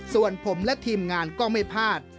ส่วนผมและทีมงานก็ไม่พลาด